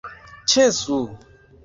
Ĉesu!